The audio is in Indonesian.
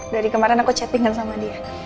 dari kemarin aku chatting kan sama dia